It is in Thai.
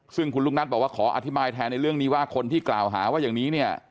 ซึ่งคุณลูกนัทบอกว่าขออธิบายแทนในเรื่องนี้ว่าคนที่กล่าวหาว่าอย่างนี้เนี่ย